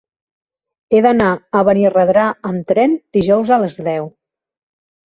He d'anar a Benirredrà amb tren dijous a les deu.